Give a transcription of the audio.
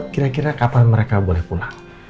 kira kira kapan mereka boleh pulang